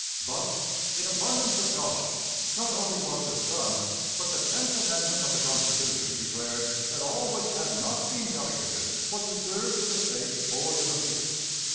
But in abundance of caution not only was this done, but the tenth amendment of the Constitution declared that all which had not been delegated was reserved to the States or to the people.